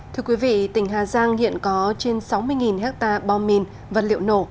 thưa quý vị tỉnh hà giang hiện có trên sáu mươi hectare bom mìn vật liệu nổ